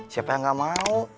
siapa yang nggak mau